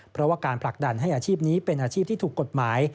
เพราะว่าการผลักดันให้อาชีพนี้เป็นอาชีพที่ถูกกฎหมาย